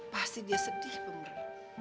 pasti dia sedih pemberi